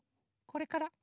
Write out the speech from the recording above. これから。